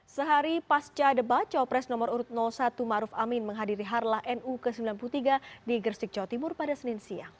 sehari pasca debat cawapres nomor urut satu maruf amin menghadiri harlah nu ke sembilan puluh tiga di gersik jawa timur pada senin siang